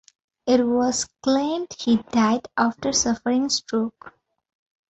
It was claimed he died after suffering stroke.